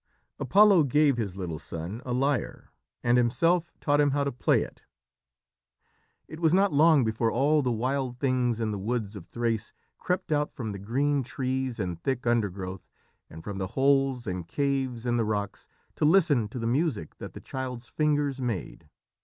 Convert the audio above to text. Apollo gave his little son a lyre, and himself taught him how to play it. It was not long before all the wild things in the woods of Thrace crept out from the green trees and thick undergrowth, and from the holes and caves in the rocks, to listen to the music that the child's fingers made.